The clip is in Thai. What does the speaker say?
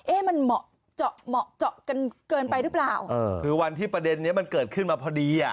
มันเหมาะเจาะเหมาะเจาะกันเกินไปหรือเปล่าเออคือวันที่ประเด็นนี้มันเกิดขึ้นมาพอดีอ่ะ